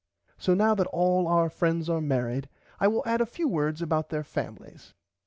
So now that all our friends are marrid I will add a few words about their familys.